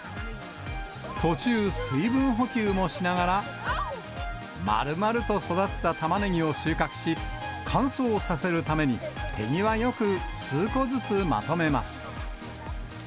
途中、水分補給もしながら、まるまると育ったタマネギを収穫し、乾燥させるために、手際よく数個ずつまとめます。